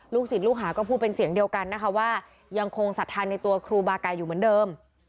ลูกสินลูกหาก็พูดเป็นเสียงเดียวกันว่ายังคงสัดทานในตัวครูบาไก่อยู่เหมือนเดิม